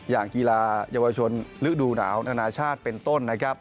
อย่างกีฬาเยาวชนฤดูหนาวนานาชาติเป็นต้นนะครับ